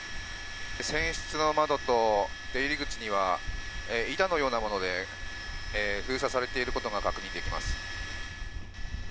船室の窓と出入り口には板のようなもので封鎖されていることが確認できます。